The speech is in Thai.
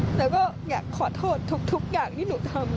ก็หรือสุดโกรธค่ะแต่ก็อยากขอโทษทุกอย่างที่หนูทำค่ะ